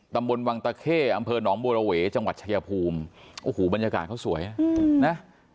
ตำบลวังตะเข้อำเภอหนองบัวระเวจังหวัดชายภูมิโอ้โหบรรยากาศเขาสวยนะ